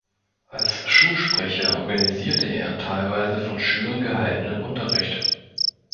Als Schulsprecher organisierte er teilweise von Schülern gehaltenen Unterricht.